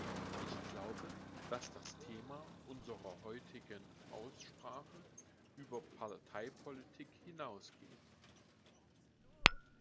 Ich glaube, dass das Thema unserer heutigen Aussprache über Parteipolitik hinaus geht.